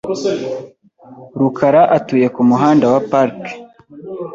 rukara atuye ku Muhanda wa Park .